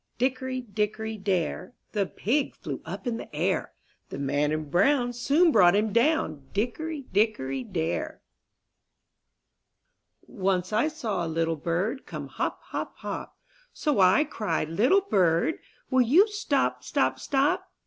T^ICKORY, dickory, dare, ^^ The pig flew up in the air ; The man in brown soon brought him down, Dickory, dickory, dare. 12 IN THE NURSERY ^^ /^NCE I saw a little bird ^^ Come hop, hop, hop; So I cried, "Little bird. Will you stop, stop, stop?'